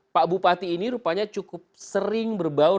pak bupati ini rupanya cukup sering berbau